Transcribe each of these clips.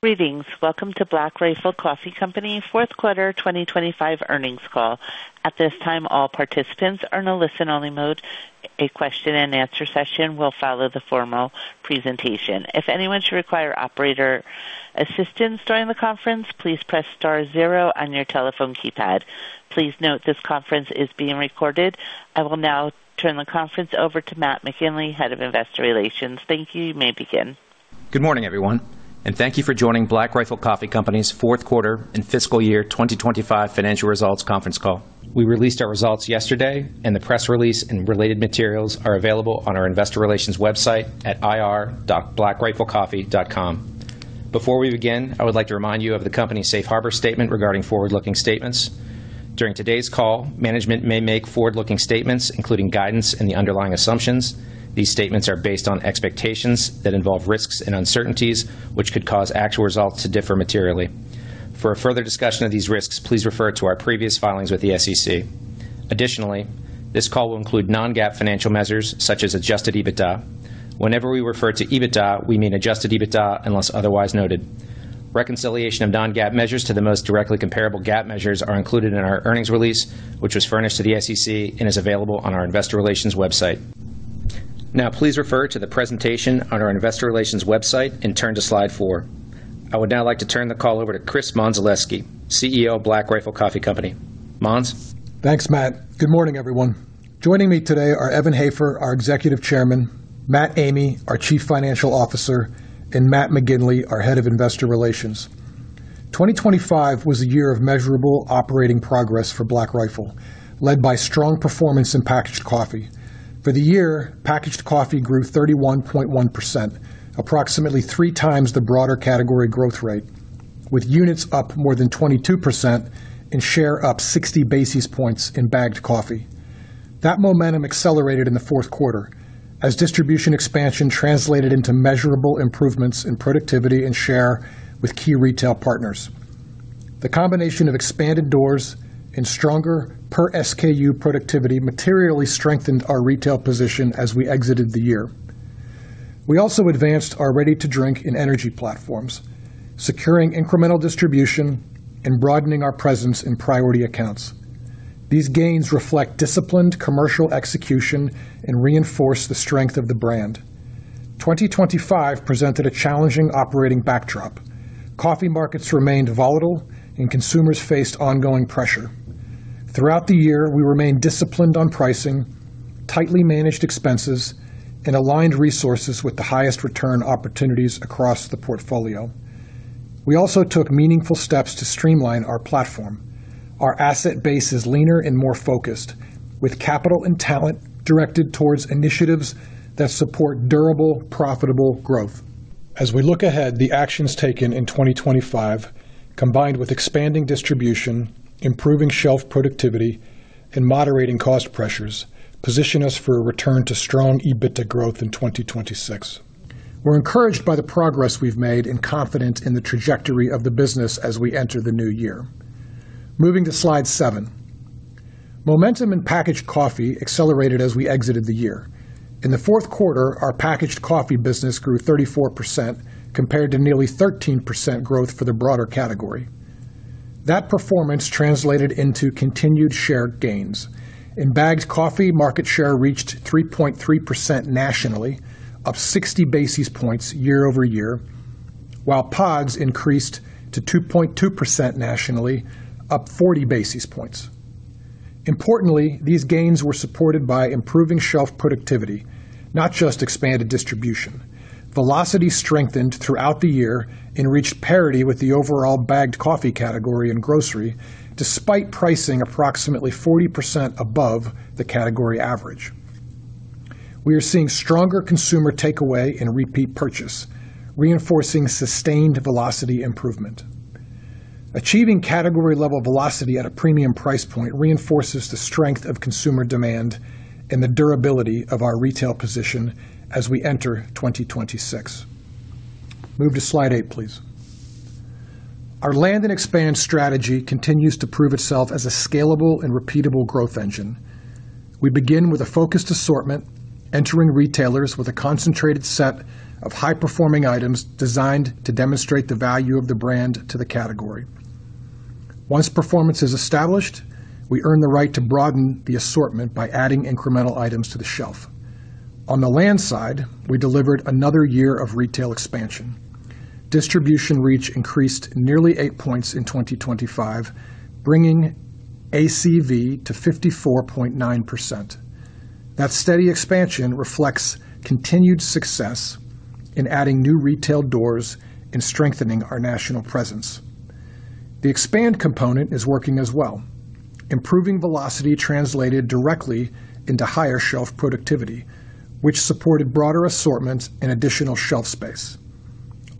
Greetings. Welcome to Black Rifle Coffee Company fourth quarter 2025 earnings call. At this time, all participants are in a listen-only mode. A question and answer session will follow the formal presentation. If anyone should require operator assistance during the conference, please press star zero on your telephone keypad. Please note this conference is being recorded. I will now turn the conference over to Matt McGinley, Head of Investor Relations. Thank you. You may begin. Good morning, everyone, and thank you for joining Black Rifle Coffee Company's fourth quarter and fiscal year 2025 financial results conference call. We released our results yesterday, and the press release and related materials are available on our investor relations website at ir.blackriflecoffee.com. Before we begin, I would like to remind you of the company's Safe Harbor statement regarding forward looking statements. During today's call, management may make forward-looking statements including guidance and the underlying assumptions. These statements are based on expectations that involve risks and uncertainties which could cause actual results to differ materially. For a further discussion of these risks, please refer to our previous filings with the SEC. Additionally, this call will include non-GAAP financial measures such as adjusted EBITDA. Whenever we refer to EBITDA, we mean adjusted EBITDA unless otherwise noted. Reconciliation of non-GAAP measures to the most directly comparable GAAP measures are included in our earnings release, which was furnished to the SEC and is available on our investor relations website. Please refer to the presentation on our investor relations website and turn to slide four. I would now like to turn the call over to Chris Mondzelewski, CEO of Black Rifle Coffee Company. Monds? Thanks, Matt. Good morning, everyone. Joining me today are Evan Hafer, our Executive Chairman, Matt Amigh, our Chief Financial Officer, and Matt McGinley, our Head of Investor Relations. 2025 was a year of measurable operating progress for Black Rifle, led by strong performance in packaged coffee. For the year, packaged coffee grew 31.1%, approximately three times the broader category growth rate, with units up more than 22% and share up 60 basis points in bagged coffee. That momentum accelerated in the fourth quarter as distribution expansion translated into measurable improvements in productivity and share with key retail partners. The combination of expanded doors and stronger per SKU productivity materially strengthened our retail position as we exited the year. We also advanced our ready to drink and energy platforms securing incremental distribution and broadening our presence in priority accounts. These gains reflect disciplined commercial execution and reinforce the strength of the brand. 2025 presented a challenging operating backdrop. Coffee markets remained volatile, and consumers faced ongoing pressure. Throughout the year, we remained disciplined on pricing, tightly managed expenses and aligned resources with the highest return opportunities across the portfolio. We also took meaningful steps to streamline our platform. Our asset base is leaner and more focused, with capital and talent directed towards initiatives that support durable, profitable growth. As we look ahead, the actions taken in 2025, combined with expanding distribution, improving shelf productivity, and moderating cost pressures, position us for a return to strong EBITDA growth in 2026. We're encouraged by the progress we've made and confident in the trajectory of the business as we enter the new year. Moving to slide seven. Momentum in packaged coffee accelerated as we exited the year. In the fourth quarter, our packaged coffee business grew 34% compared to nearly 13% growth for the broader category. That performance translated into continued share gains. In bagged coffee, market share reached 3.3% nationally, up 60 basis points year-over-year, while pods increased to 2.2% nationally, up 40 basis points. Importantly, these gains were supported by improving shelf productivity, not just expanded distribution. Velocity strengthened throughout the year and reached parity with the overall bagged coffee category in grocery, despite pricing approximately 40% above the category average. We are seeing stronger consumer takeaway and repeat purchase, reinforcing sustained velocity improvement. Achieving category level velocity at a premium price point reinforces the strength of consumer demand and the durability of our retail position as we enter 2026. Move to slide eight, please. Our land and expand strategy continues to prove itself as a scalable and repeatable growth engine. We begin with a focused assortment, entering retailers with a concentrated set of high performing items designed to demonstrate the value of the brand to the category. Once performance is established, we earn the right to broaden the assortment by adding incremental items to the shelf. On the land side, we delivered another year of retail expansion. Distribution reach increased nearly eight points in 2025, bringing ACV to 54.9%. That steady expansion reflects continued success in adding new retail doors and strengthening our national presence. The expand component is working as well. Improving velocity translated directly into higher shelf productivity, which supported broader assortments and additional shelf space.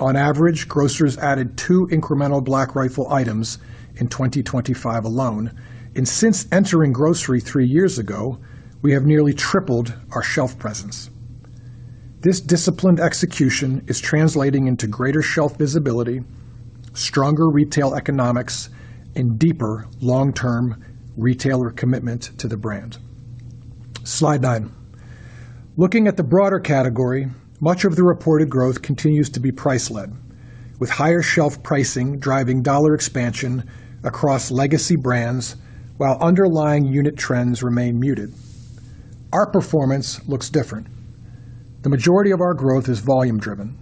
On average, grocers added two incremental Black Rifle items in 2025 alone, and since entering grocery three years ago, we have nearly tripled our shelf presence. This disciplined execution is translating into greater shelf visibility, stronger retail economics, and deeper long-term retailer commitment to the brand. Slide nine. Looking at the broader category, much of the reported growth continues to be price led, with higher shelf pricing driving dollar expansion across legacy brands while underlying unit trends remain muted. Our performance looks different. The majority of our growth is volume driven.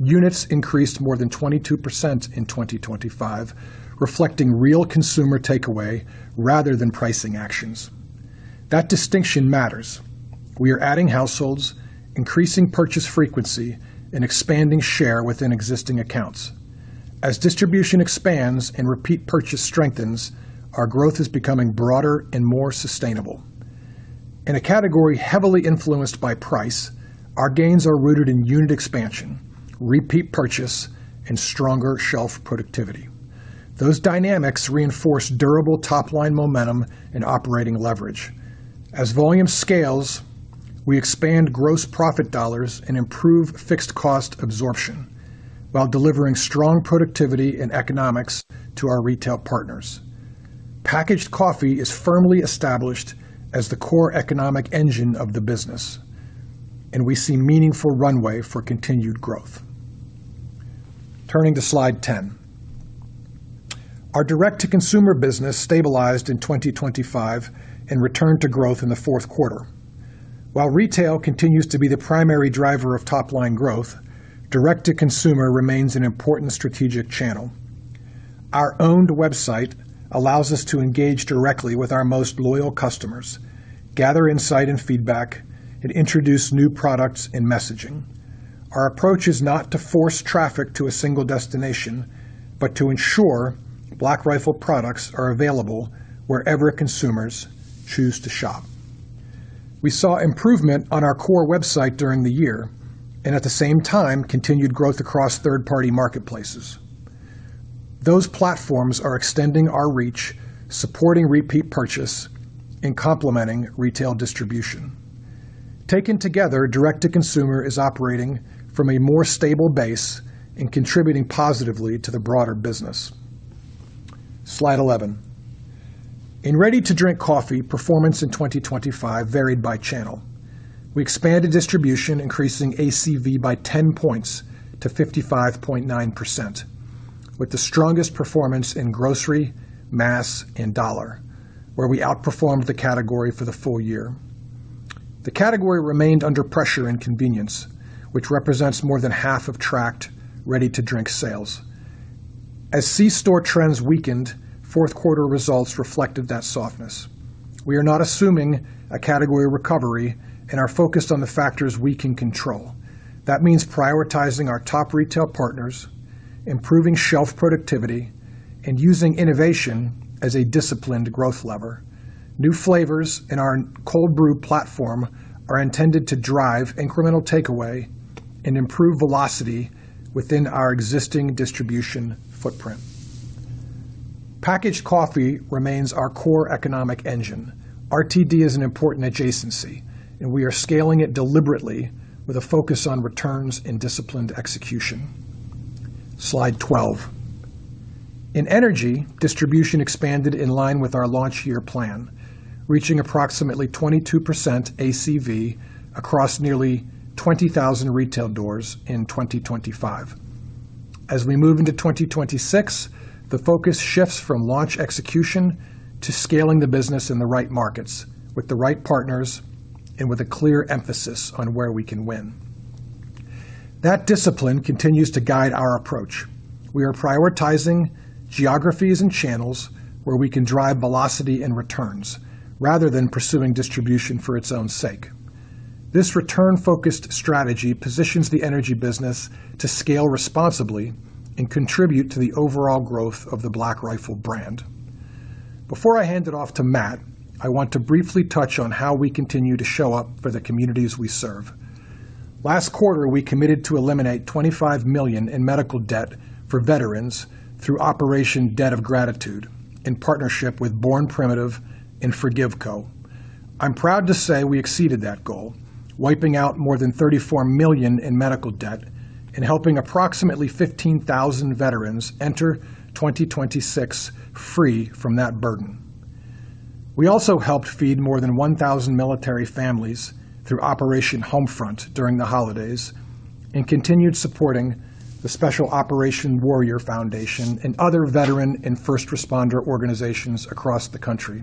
Units increased more than 22% in 2025, reflecting real consumer takeaway rather than pricing actions. That distinction matters. We are adding households, increasing purchase frequency, and expanding share within existing accounts. As distribution expands and repeat purchase strengthens, our growth is becoming broader and more sustainable. In a category heavily influenced by price, our gains are rooted in unit expansion, repeat purchase, and stronger shelf productivity. Those dynamics reinforce durable top line momentum and operating leverage. As volume scales, we expand gross profit dollars and improve fixed cost absorption while delivering strong productivity and economics to our retail partners. Packaged coffee is firmly established as the core economic engine of the business. We see meaningful runway for continued growth. Turning to slide 10. Our direct to consumer business stabilized in 2025 and returned to growth in the fourth quarter. While retail continues to be the primary driver of top line growth, direct to consumer remains an important strategic channel. Our owned website allows us to engage directly with our most loyal customers, gather insight and feedback and introduce new products and messaging. Our approach is not to force traffic to a single destination, but to ensure Black Rifle products are available wherever consumers choose to shop. We saw improvement on our core website during the year and, at the same time, continued growth across third party marketplaces. Those platforms are extending our reach, supporting repeat purchase, and complementing retail distribution. Taken together, direct to consumer is operating from a more stable base and contributing positively to the broader business. Slide 11. In ready to drink coffee, performance in 2025 varied by channel. We expanded distribution, increasing ACV by 10 points to 55.9%, with the strongest performance in grocery, mass, and dollar, where we outperformed the category for the full year. The category remained under pressure and convenience, which represents more than half of tracked ready to drink sales. As C-store trends weakened, fourth quarter results reflected that softness. We are not assuming a category recovery and are focused on the factors we can control. That means prioritizing our top retail partners, improving shelf productivity, and using innovation as a disciplined growth lever. New flavors in our Cold Brew platform are intended to drive incremental takeaway and improve velocity within our existing distribution footprint. Packaged coffee remains our core economic engine. RTD is an important adjacency, and we are scaling it deliberately with a focus on returns and disciplined execution. Slide 12. In energy, distribution expanded in line with our launch year plan, reaching approximately 22% ACV across nearly 20,000 retail doors in 2025. As we move into 2026, the focus shifts from launch execution to scaling the business in the right markets with the right partners and with a clear emphasis on where we can win. That discipline continues to guide our approach. We are prioritizing geographies and channels where we can drive velocity and returns rather than pursuing distribution for its own sake. This return focused strategy positions the energy business to scale responsibly and contribute to the overall growth of the Black Rifle brand. Before I hand it off to Matt, I want to briefly touch on how we continue to show up for the communities we serve. Last quarter, we committed to eliminate $25 million in medical debt for veterans through Operation Debt of Gratitude in partnership with Born Primitive and ForgiveCo. I'm proud to say we exceeded that goal, wiping out more than $34 million in medical debt and helping approximately 15,000 veterans enter 2026 free from that burden. We also helped feed more than 1,000 military families through Operation Homefront during the holidays and continued supporting the Special Operations Warrior Foundation and other veteran and first responder organizations across the country.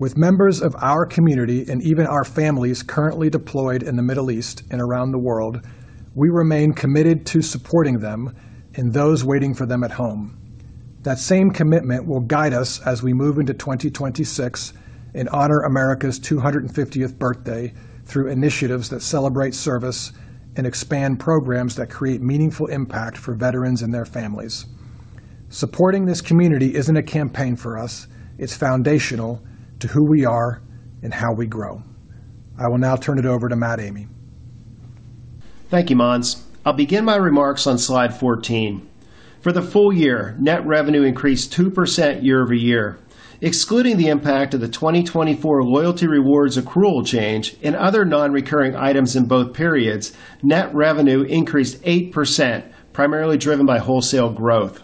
With members of our community and even our families currently deployed in the Middle East and around the world, we remain committed to supporting them and those waiting for them at home. That same commitment will guide us as we move into 2026 and honor America's 250th birthday through initiatives that celebrate service and expand programs that create meaningful impact for veterans and their families. Supporting this community isn't a campaign for us, it's foundational to who we are and how we grow. I will now turn it over to Matt Amigh. Thank you, Monds. I'll begin my remarks on slide 14. For the full year, net revenue increased 2% year-over-year. Excluding the impact of the 2024 loyalty rewards accrual change and other non-recurring items in both periods, net revenue increased 8%, primarily driven by wholesale growth.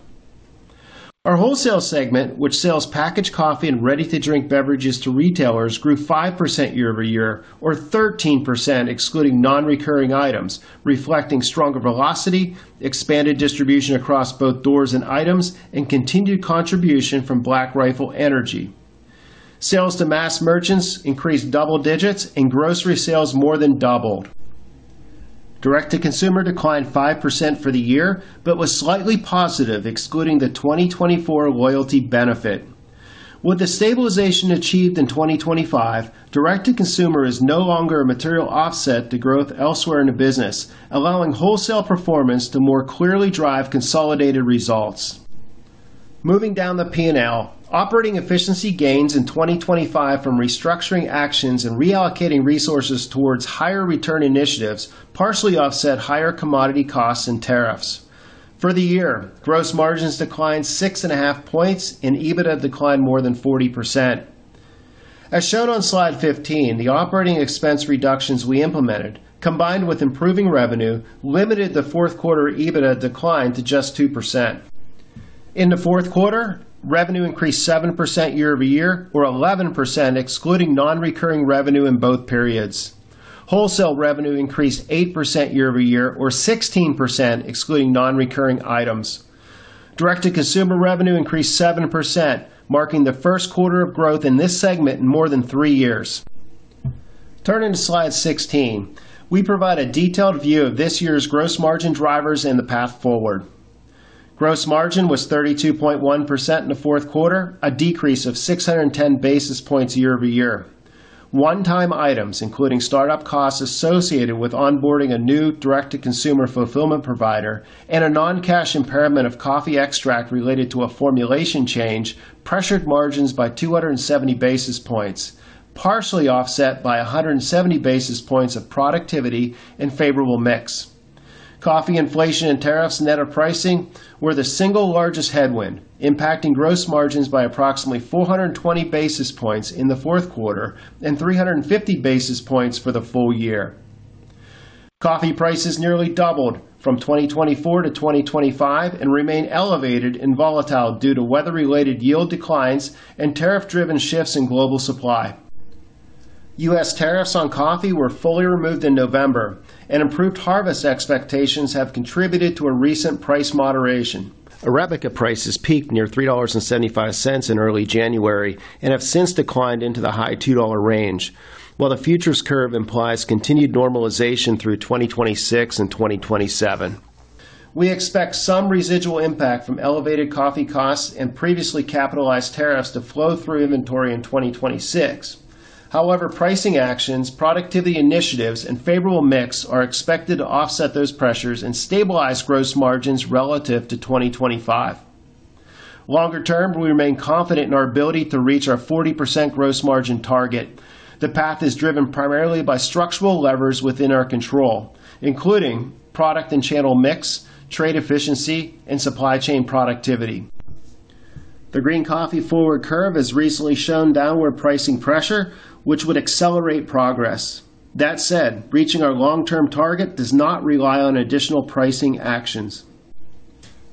Our wholesale segment, which sells packaged coffee and ready to drink beverages to retailers, grew 5% year-over-year, or 13% excluding non-recurring items, reflecting stronger velocity, expanded distribution across both doors and items, and continued contribution from Black Rifle Energy. Sales to mass merchants increased double digits and grocery sales more than doubled. Direct to consumer declined 5% for the year, but was slightly positive, excluding the 2024 loyalty benefit. With the stabilization achieved in 2025, direct to consumer is no longer a material offset to growth elsewhere in the business, allowing wholesale performance to more clearly drive consolidated results. Moving down the P&L, operating efficiency gains in 2025 from restructuring actions and reallocating resources towards higher return initiatives partially offset higher commodity costs and tariffs. For the year, gross margins declined 6.5 points and EBITDA declined more than 40%. As shown on slide 15, the operating expense reductions we implemented, combined with improving revenue, limited the fourth quarter EBITDA decline to just 2%. In the fourth quarter, revenue increased 7% year-over-year or 11% excluding non-recurring revenue in both periods. Wholesale revenue increased 8% year-over-year, or 16% excluding non-recurring items. Direct to consumer revenue increased 7%, marking the first quarter of growth in this segment in more than three years. Turning to slide 16, we provide a detailed view of this year's gross margin drivers and the path forward. Gross margin was 32.1% in the fourth quarter, a decrease of 610 basis points year-over-year. One time items, including startup costs associated with onboarding a new direct to consumer fulfillment provider and a non-cash impairment of coffee extract related to a formulation change, pressured margins by 270 basis points, partially offset by 170 basis points of productivity and favorable mix. Coffee inflation and tariffs net of pricing were the single largest headwind, impacting gross margins by approximately 420 basis points in the fourth quarter and 350 basis points for the full year. Coffee prices nearly doubled from 2024 to 2025 and remain elevated and volatile due to weather related yield declines and tariff driven shifts in global supply. U.S., tariffs on coffee were fully removed in November. Improved harvest expectations have contributed to a recent price moderation. Arabica prices peaked near $3.75 in early January and have since declined into the high $2 range, while the futures curve implies continued normalization through 2026 and 2027. We expect some residual impact from elevated coffee costs and previously capitalized tariffs to flow through inventory in 2026. Pricing actions, productivity initiatives, and favorable mix are expected to offset those pressures and stabilize gross margins relative to 2025. Longer term, we remain confident in our ability to reach our 40% gross margin target. The path is driven primarily by structural levers within our control, including product and channel mix, trade efficiency, and supply chain productivity. The green coffee forward curve has recently shown downward pricing pressure, which would accelerate progress. That said, reaching our long term target does not rely on additional pricing actions.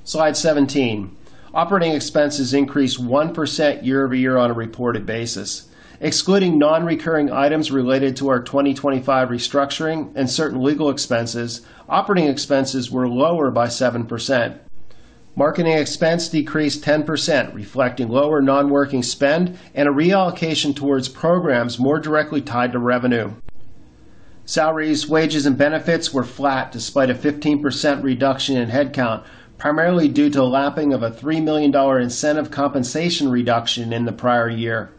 Slide 17. Operating expenses increased 1% year-over-year on a reported basis. Excluding non-recurring items related to our 2025 restructuring and certain legal expenses, operating expenses were lower by 7%. Marketing expense decreased 10%, reflecting lower non-working spend and a reallocation towards programs more directly tied to revenue. Salaries, wages, and benefits were flat despite a 15% reduction in headcount, primarily due to lapping of a $3 million incentive compensation reduction in the prior year.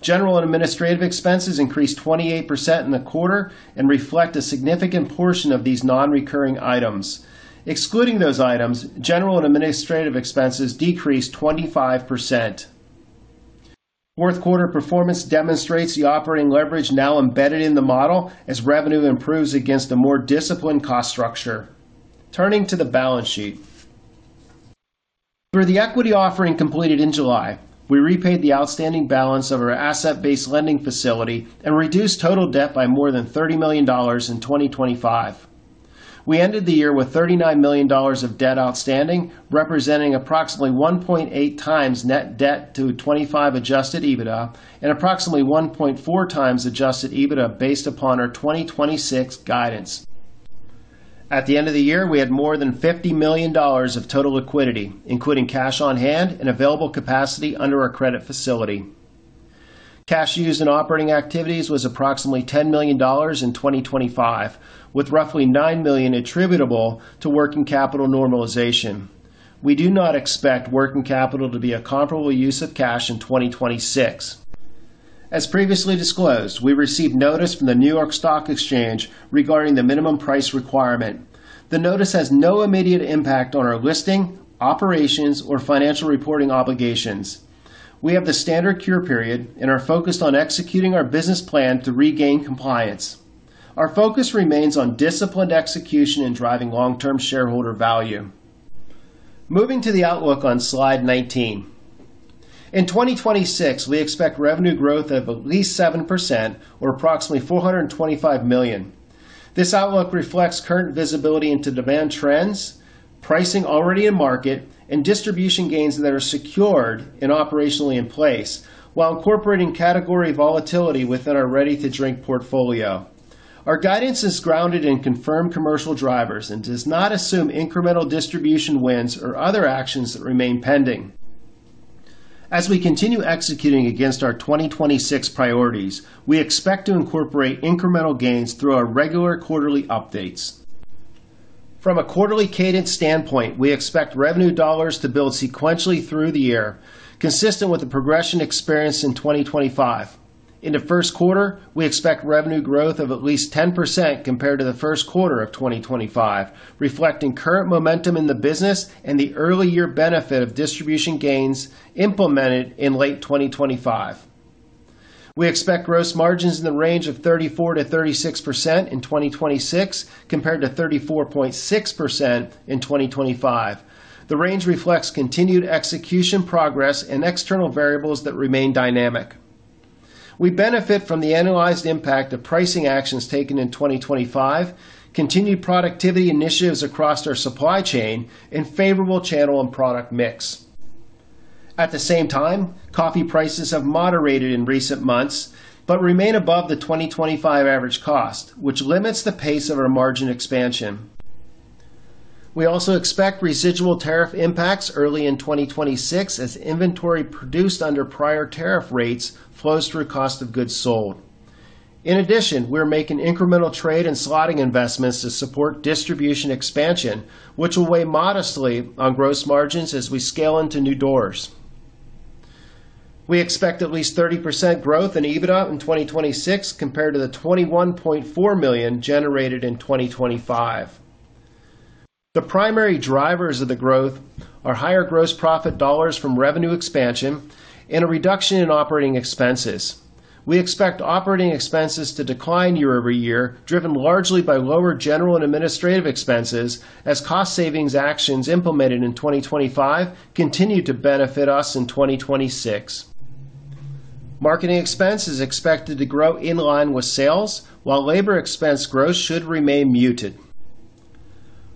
General and administrative expenses increased 28% in the quarter and reflect a significant portion of these non-recurring items. Excluding those items, general and administrative expenses decreased 25%. Fourth quarter performance demonstrates the operating leverage now embedded in the model as revenue improves against a more disciplined cost structure. Turning to the balance sheet. Through the equity offering completed in July, we repaid the outstanding balance of our asset-based lending facility and reduced total debt by more than $30 million in 2025. We ended the year with $39 million of debt outstanding, representing approximately 1.8 times net debt to 2025 adjusted EBITDA and approximately 1.4 times adjusted EBITDA based upon our 2026 guidance. At the end of the year, we had more than $50 million of total liquidity, including cash on hand and available capacity under our credit facility. Cash used in operating activities was approximately $10 million in 2025, with roughly $9 million attributable to working capital normalization. We do not expect working capital to be a comparable use of cash in 2026. As previously disclosed, we received notice from the New York Stock Exchange regarding the minimum price requirement. The notice has no immediate impact on our listing, operations, or financial reporting obligations. We have the standard cure period and are focused on executing our business plan to regain compliance. Our focus remains on disciplined execution and driving long-term shareholder value. Moving to the outlook on slide 19. In 2026, we expect revenue growth of at least 7% or approximately $425 million. This outlook reflects current visibility into demand trends, pricing already in market, and distribution gains that are secured and operationally in place, while incorporating category volatility within our ready to drink portfolio. Our guidance is grounded in confirmed commercial drivers and does not assume incremental distribution wins or other actions that remain pending. As we continue executing against our 2026 priorities, we expect to incorporate incremental gains through our regular quarterly updates. From a quarterly cadence standpoint, we expect revenue dollars to build sequentially through the year, consistent with the progression experienced in 2025. In the first quarter, we expect revenue growth of at least 10% compared to the first quarter of 2025, reflecting current momentum in the business and the early year benefit of distribution gains implemented in late 2025. We expect gross margins in the range of 34%-36% in 2026 compared to 34.6% in 2025. The range reflects continued execution progress and external variables that remain dynamic. We benefit from the annualized impact of pricing actions taken in 2025, continued productivity initiatives across our supply chain, and favorable channel and product mix. At the same time, coffee prices have moderated in recent months, but remain above the 2025 average cost, which limits the pace of our margin expansion. We also expect residual tariff impacts early in 2026 as inventory produced under prior tariff rates flows through cost of goods sold. We're making incremental trade and slotting investments to support distribution expansion, which will weigh modestly on gross margins as we scale into new doors. We expect at least 30% growth in EBITDA in 2026 compared to the $21.4 million generated in 2025. The primary drivers of the growth are higher gross profit dollars from revenue expansion and a reduction in operating expenses. We expect operating expenses to decline year-over-year, driven largely by lower general and administrative expenses as cost savings actions implemented in 2025 continue to benefit us in 2026. Marketing expense is expected to grow in line with sales, while labor expense growth should remain muted.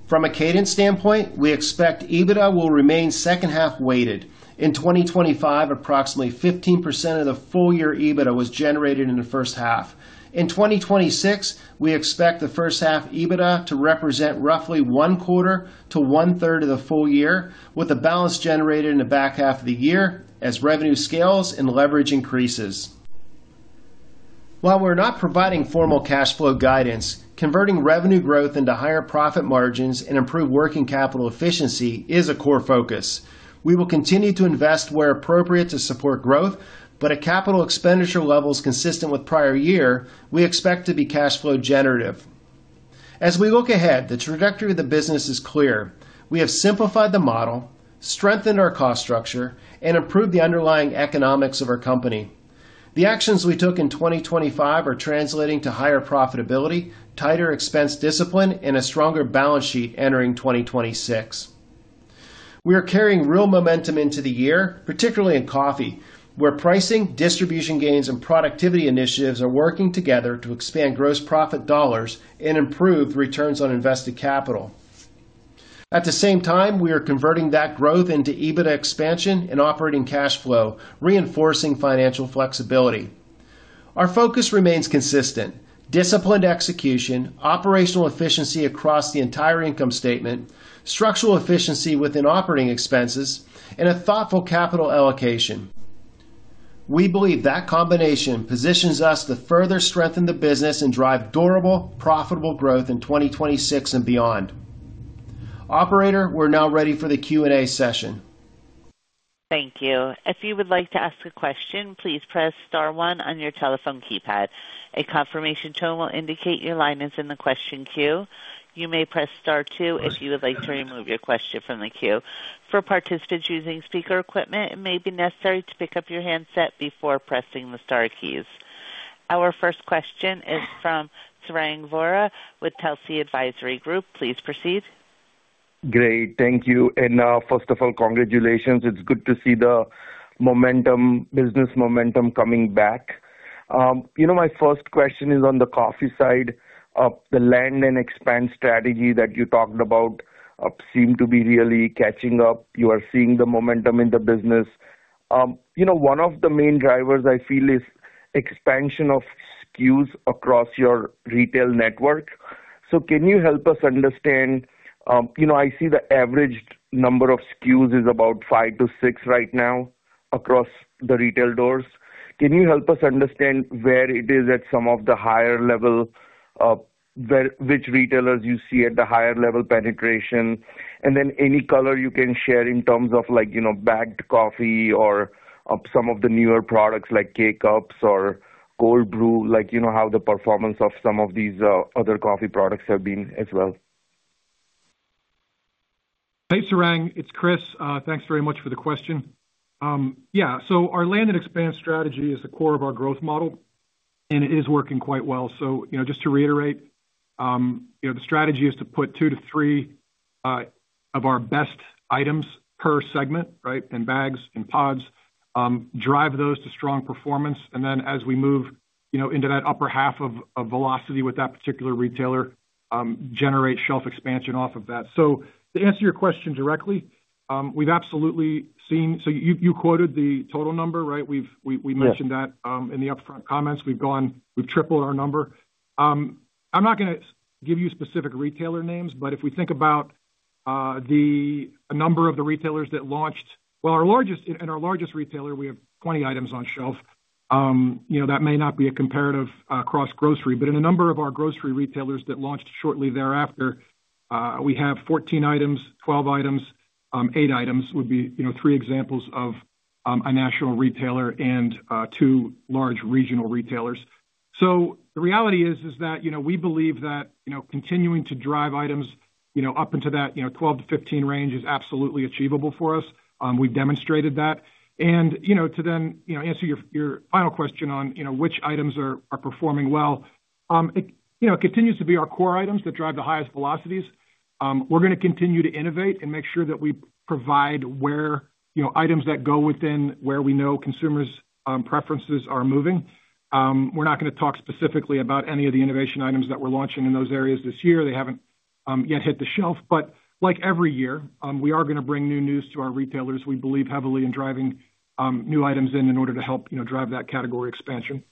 From a cadence standpoint, we expect EBITDA will remain second half weighted. In 2025, approximately 15% of the full year EBITDA was generated in the first half. In 2026, we expect the first half EBITDA to represent roughly one quarter to one-third of the full year, with the balance generated in the back half of the year as revenue scales and leverage increases. While we're not providing formal cash flow guidance, converting revenue growth into higher profit margins and improved working capital efficiency is a core focus. We will continue to invest where appropriate to support growth, but at capital expenditure levels consistent with prior year, we expect to be cash flow generative. As we look ahead, the trajectory of the business is clear. We have simplified the model, strengthened our cost structure, and improved the underlying economics of our company. The actions we took in 2025 are translating to higher profitability, tighter expense discipline, and a stronger balance sheet entering 2026. We are carrying real momentum into the year, particularly in coffee, where pricing, distribution gains, and productivity initiatives are working together to expand gross profit dollars and improve returns on invested capital. At the same time, we are converting that growth into EBITDA expansion and operating cash flow, reinforcing financial flexibility. Our focus remains consistent: disciplined execution, operational efficiency across the entire income statement, structural efficiency within operating expenses, and a thoughtful capital allocation. We believe that combination positions us to further strengthen the business and drive durable, profitable growth in 2026 and beyond. Operator, we're now ready for the Q&A session. Thank you. If you would like to ask a question, please press star one on your telephone keypad. A confirmation tone will indicate your line is in the question queue. You may press star two if you would like to remove your question from the queue. For participants using speaker equipment, it may be necessary to pick up your handset before pressing the star keys. Our first question is from Sarang Vora with Telsey Advisory Group. Please proceed. Great. Thank you. First of all, congratulations. It's good to see the momentum, business momentum coming back. You know, my first question is on the coffee side of the land and expand strategy that you talked about, seem to be really catching up. You are seeing the momentum in the business. You know, one of the main drivers I feel is expansion of SKUs across your retail network. Can you help us understand, you know, I see the averaged number of SKUs is about five-six right now across the retail doors. Can you help us understand where it is at some of the higher level of which retailers you see at the higher level penetration? Any color you can share in terms of like, you know, bagged coffee or, some of the newer products like K-Cups or Cold Brew, like, you know, how the performance of some of these, other coffee products have been as well? Hey, Sarang, it's Chris. Thanks very much for the question. Yeah. Our land and expand strategy is the core of our growth model. It is working quite well. You know, just to reiterate, you know, the strategy is to put two to three of our best items per segment, right, in bags, in pods, drive those to strong performance, and then as we move, you know, into that upper half of velocity with that particular retailer, generate shelf expansion off of that. To answer your question directly, we've absolutely seen... You quoted the total number, right? We've. Yes. We mentioned that in the upfront comments. We've tripled our number. I'm not gonna give you specific retailer names, but if we think about a number of the retailers that launched. In our largest retailer, we have 20 items on shelf. You know, that may not be a comparative cross grocery, but in a number of our grocery retailers that launched shortly thereafter, we have 14 items, 12 items, eight items would be, you know, three examples of a national retailer and two large regional retailers. The reality is that, you know, we believe that, you know, continuing to drive items, you know, up into that, you know, 12-15 range is absolutely achievable for us. We've demonstrated that. You know, to then, answer your final question on, you know, which items are performing well. It, you know, continues to be our core items that drive the highest velocities. We're gonna continue to innovate and make sure that we provide where, you know, items that go within, where we know consumers' preferences are moving. We're not gonna talk specifically about any of the innovation items that we're launching in those areas this year. They haven't yet hit the shelf. Like every year, we are gonna bring new news to our retailers. We believe heavily in driving, new items in order to help, you know, drive that category expansion.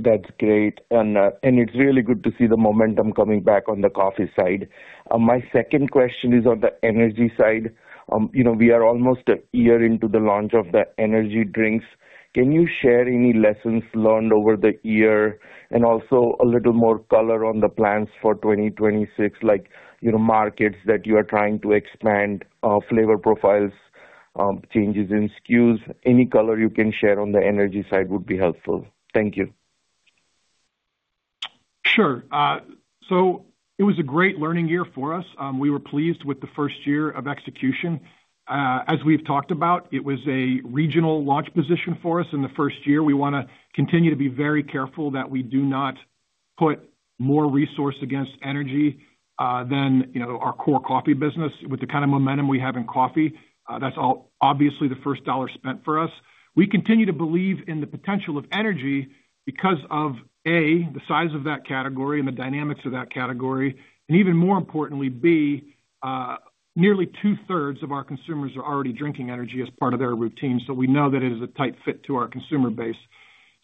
That's great. It's really good to see the momentum coming back on the coffee side. My second question is on the energy side. You know, we are almost a year into the launch of the energy drinks. Can you share any lessons learned over the year and also a little more color on the plans for 2026, like, you know, markets that you are trying to expand, flavor profiles, changes in SKUs? Any color you can share on the energy side would be helpful. Thank you. Sure. It was a great learning year for us. We were pleased with the first year of execution. As we've talked about, it was a regional launch position for us in the first year. We wanna continue to be very careful that we do not put more resource against energy than, you know, our core coffee business. With the kind of momentum we have in coffee, that's obviously the $1 spent for us. We continue to believe in the potential of energy because of, A, the size of that category and the dynamics of that category, and even more importantly, B, nearly two-thirds of our consumers are already drinking energy as part of their routine. We know that it is a tight fit to our consumer base.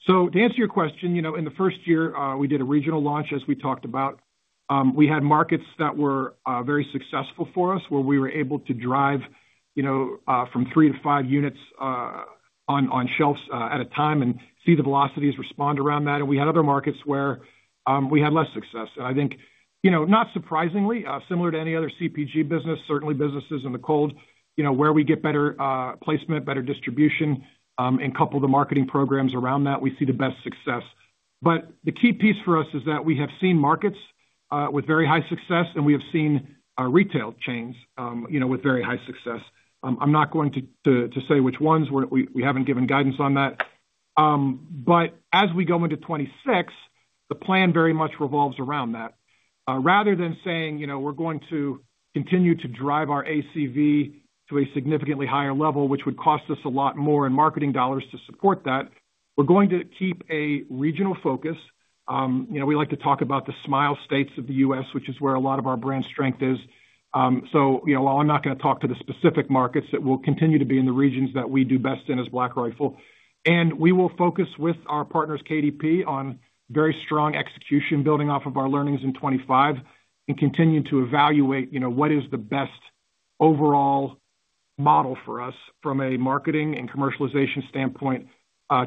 To answer your question, you know, in the first year, we did a regional launch, as we talked about. We had markets that were very successful for us, where we were able to drive, you know, from three to five units on shelves at a time and see the velocities respond around that. We had other markets where we had less success. I think, you know, not surprisingly, similar to any other CPG business, certainly businesses in the cold, you know, where we get better placement, better distribution, and couple the marketing programs around that, we see the best success. The key piece for us is that we have seen markets with very high success, and we have seen retail chains, you know, with very high success. I'm not going to say which ones. We haven't given guidance on that. As we go into 2026, the plan very much revolves around that. Rather than saying, you know, we're going to continue to drive our ACV to a significantly higher level, which would cost us a lot more in marketing dollars to support that, we're going to keep a regional focus. You know, we like to talk about the smile states of the U.S., which is where a lot of our brand strength is. You know, while I'm not gonna talk to the specific markets, that will continue to be in the regions that we do best in as Black Rifle. We will focus with our partners, KDP, on very strong execution, building off of our learnings in 2025 and continue to evaluate, you know, what is the best overall model for us from a marketing and commercialization standpoint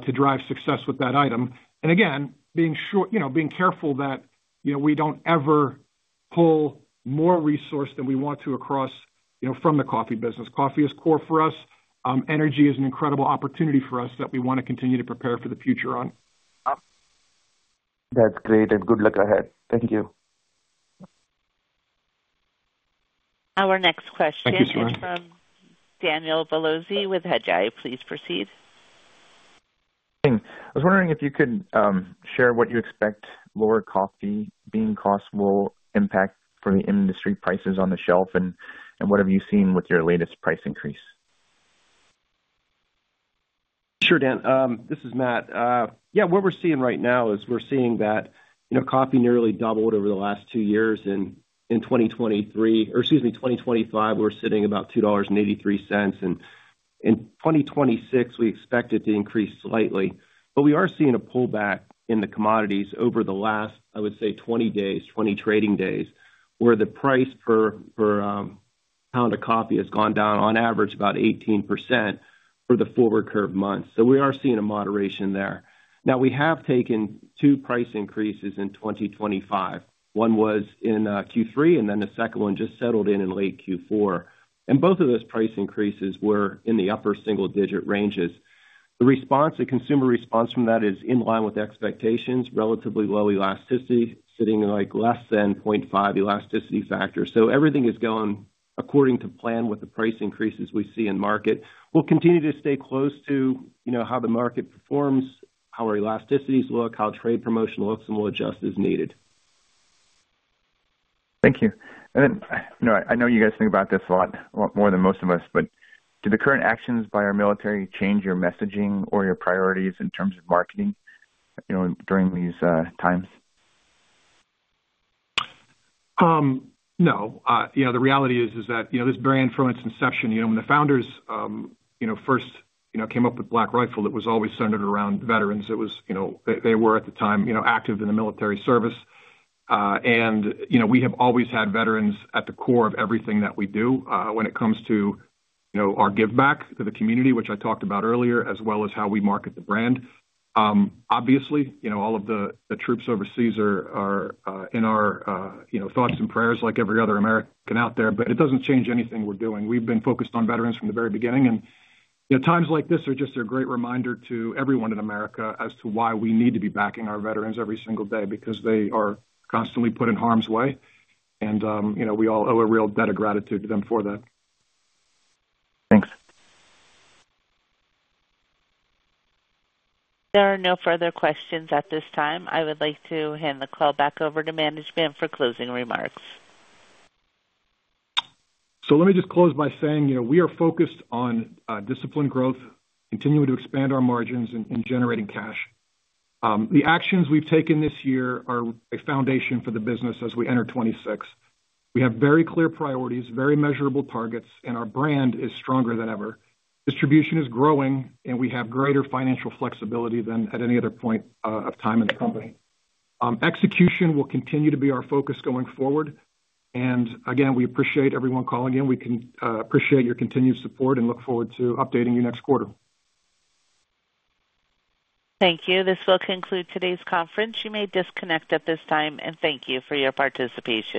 to drive success with that item. Again, being sure, you know, being careful that, you know, we don't ever pull more resource than we want to across, you know, from the coffee business. Coffee is core for us. Energy is an incredible opportunity for us that we wanna continue to prepare for the future on. That's great. Good luck ahead. Thank you. Our next question. Thank you, Sarang. Is from Daniel Biolsi with Hedgeye. Please proceed. I was wondering if you could share what you expect lower coffee bean costs will impact for the industry prices on the shelf and what have you seen with your latest price increase? Sure, Dan. This is Matt. Yeah, what we're seeing right now is we're seeing that, you know, coffee nearly doubled over the last two years. In 2025, we're sitting about $2.83. In 2026, we expect it to increase slightly. We are seeing a pullback in the commodities over the last, I would say, 20 days, 20 trading days, where the price per pound of coffee has gone down on average about 18% for the forward curve months. We are seeing a moderation there. We have taken two price increases in 2025. One was in Q3, and then the second one just settled in late Q4. Both of those price increases were in the upper single digit ranges. The response, the consumer response from that is in line with expectations, relatively low elasticity, sitting in, like, less than 0.5 elasticity factor. Everything is going according to plan with the price increases we see in market. We'll continue to stay close to, you know, how the market performs, how our elasticities look, how trade promotion looks, and we'll adjust as needed. Thank you. I know you guys think about this a lot, a lot more than most of us, but do the current actions by our military change your messaging or your priorities in terms of marketing, you know, during these times? No. The reality is that, you know, this brand from its inception, when the founders, first, came up with Black Rifle, it was always centered around veterans. It was. They were at the time, you know, active in the military service. You know, we have always had veterans at the core of everything that we do, when it comes to, you know, our give back to the community, which I talked about earlier, as well as how we market the brand. Obviously, you know, all of the troops overseas are in our thoughts and prayers like every other American out there, but it doesn't change anything we're doing. We've been focused on veterans from the very beginning. In times like this are just a great reminder to everyone in America as to why we need to be backing our veterans every single day, because they are constantly put in harm's way and, you know, we all owe a real debt of gratitude to them for that. Thanks. There are no further questions at this time. I would like to hand the call back over to management for closing remarks. Let me just close by saying, you know, we are focused on disciplined growth, continuing to expand our margins and generating cash. The actions we've taken this year are a foundation for the business as we enter 2026. We have very clear priorities, very measurable targets, and our brand is stronger than ever. Distribution is growing, and we have greater financial flexibility than at any other point of time in the company. Execution will continue to be our focus going forward. Again, we appreciate everyone calling in. We can appreciate your continued support and look forward to updating you next quarter. Thank you. This will conclude today's conference. You may disconnect at this time, and thank you for your participation.